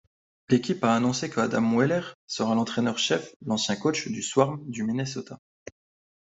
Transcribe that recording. L'équipe a annoncé que Adam Mueller sera l'entraîneur-chef, l'ancien coach du Swarm du Minnesota.